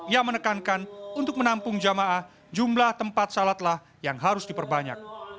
ia menekankan untuk menampung jamaah jumlah tempat salatlah yang harus diperbanyak